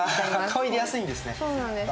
顔に出やすいんですね。